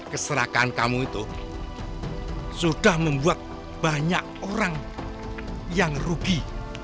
keserakaan kamu itu sudah membuat banyak orang yang rugi